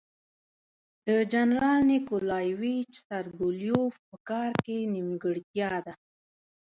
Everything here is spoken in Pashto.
د جنرال نیکولایویچ سوبولیف په کار کې نیمګړتیا ده.